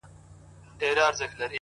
عجب راگوري د خوني سترگو څه خون راباسي.!